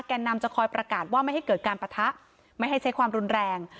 นำจะคอยประกาศว่าไม่ให้เกิดการปะทะไม่ให้ใช้ความรุนแรง